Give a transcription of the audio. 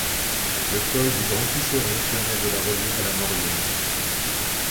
Le col du Grand Cucheron permet de la relier à la Maurienne.